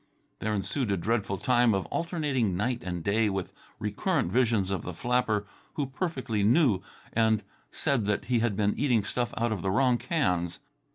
There ensued a dreadful time of alternating night and day, with recurrent visions of the flapper, who perfectly knew and said that he had been eating stuff out of the wrong cans.